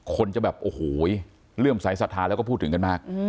คนจะแบบโอ้โหเลื่อมสายศรัทธาแล้วก็พูดถึงกันมาก